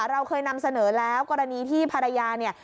เราเคยนำเสนอแล้วกรณีที่ภรรยาเนี่ย